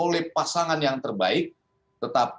bukan oleh pasangan yang diharapkan tapi akan diharapkan